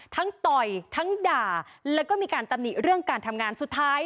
ต่อยทั้งด่าแล้วก็มีการตำหนิเรื่องการทำงานสุดท้าย